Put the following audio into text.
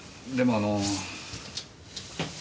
でもあの。